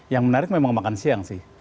yang menarik memang makan siang sih